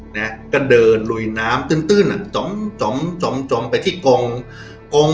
เนี้ยก็เดินหลุยน้ำตื่นตื่นอ่ะซ้อมซ้อมซ้อมซ้อมซ้อมไปที่กอง